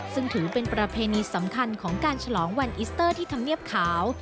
ซึ่งถือเป็นประเพณีสำคัญของการฉลองวันอิสเตอร์ที่ทำเนียบขาว